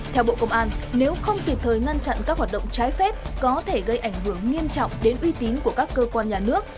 theo bộ công an nếu không kịp thời ngăn chặn các hoạt động trái phép có thể gây ảnh hưởng nghiêm trọng đến uy tín của các cơ quan nhà nước